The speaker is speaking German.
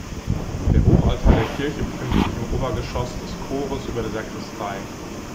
Der Hochaltar der Kirche befindet sich im Obergeschoss des Chores über der Sakristei.